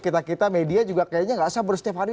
kita kita media juga kayaknya nggak sabar setiap hari